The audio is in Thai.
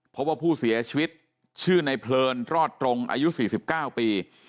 เพราะว่าผู้เสียชีวิตชื่อในเพลินรอดตรงอายุ๔๙ปี